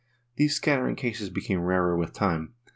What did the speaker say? '' These scattering cases become rarer with time.